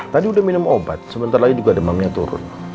tadi udah minum obat sebentar lagi juga demamnya turun